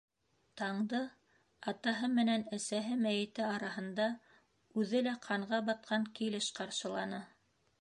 Таңды атаһы менән әсәһе мәйете араһында үҙе лә ҡанға батҡан килеш ҡаршыланы.